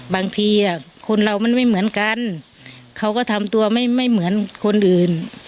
บางทีคนเรามันไม่เหมือนกันเขาก็ทำตัวไม่เหมือนคนอื่น